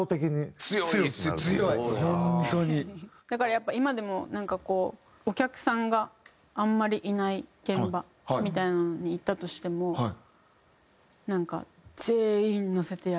だからやっぱ今でもなんかこうお客さんがあんまりいない現場みたいなのに行ったとしてもなんか。